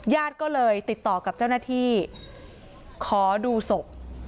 ญาติก็เลยติดต่อกับเจ้าหน้าที่ขอดูศพ